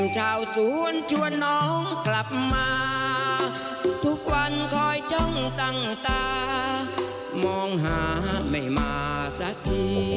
ชาวสวนชวนน้องกลับมาทุกวันคอยจ้องตั้งตามองหาไม่มาสักที